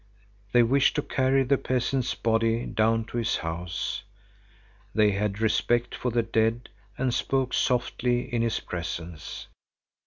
They wished to carry the peasant's body down to his house. They had respect for the dead and spoke softly in his presence.